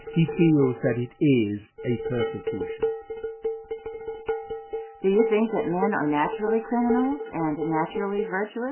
He feels that it is a persecution. Question. Do you think that men are naturally criminals and naturally virtuous?